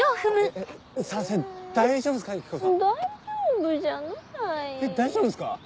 えっ大丈夫っすか？